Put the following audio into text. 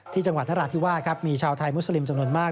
จังหวัดนราธิวาสครับมีชาวไทยมุสลิมจำนวนมาก